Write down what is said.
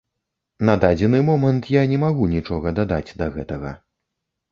На дадзены момант я не магу нічога дадаць да гэтага.